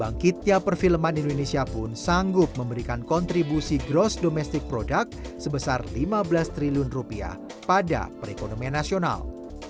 bangkitnya perfilman indonesia pun sanggup memberikan kontribusi gross domestic product sebesar lima belas triliun rupiah pada perekonomian nasional